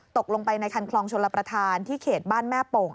ตกลงไปในคันคลองชลประธานที่เขตบ้านแม่โป่ง